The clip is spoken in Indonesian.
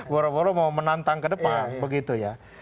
boro boro mau menantang ke depan begitu ya